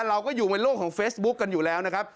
เราก็อยู่ในโลกของเฟซบุ๊คกันอยู่แล้วนะครับ